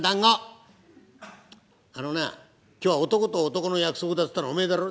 「あのなあ今日は男と男の約束だと言ったのお前だろう」。